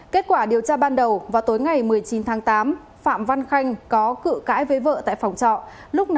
kết quả điều tra ban đầu vào tối ngày một mươi chín tháng tám phạm văn khanh có cự cãi với vợ tại phòng trọ